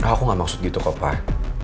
aku ga maksud gitu kok fah